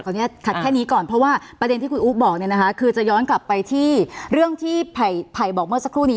อนุญาตขัดแค่นี้ก่อนเพราะว่าประเด็นที่คุณอู๊บอกเนี่ยนะคะคือจะย้อนกลับไปที่เรื่องที่ไผ่บอกเมื่อสักครู่นี้